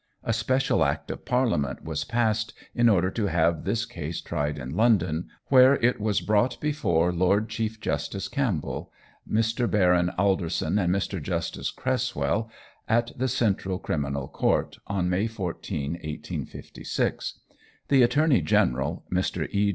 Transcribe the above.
A special Act of Parliament was passed in order to have this case tried in London, where it was brought before Lord Chief Justice Campbell, Mr. Baron Alderson, and Mr. Justice Cresswell, at the Central Criminal Court, on May 14, 1856. The Attorney General, Mr. E.